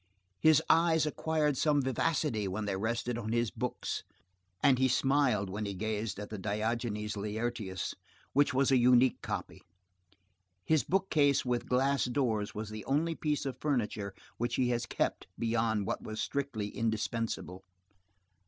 His eyes acquired some vivacity when they rested on his books, and he smiled when he gazed at the Diogenes Laertius, which was a unique copy. His bookcase with glass doors was the only piece of furniture which he had kept beyond what was strictly indispensable.